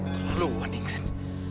terlalu waning grit